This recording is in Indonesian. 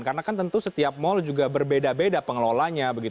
karena kan tentu setiap mal juga berbeda beda pengelolanya